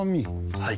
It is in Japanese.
はい。